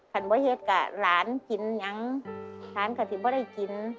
ขันว่าเฮ็ดกับหลานกินยังขันกับที่ไม่ได้กิน